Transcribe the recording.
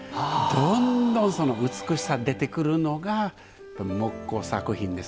どんどんその美しさ出てくるのが木工作品ですからね。